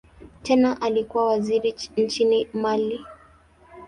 Tena alikuwa waziri nchini Mali.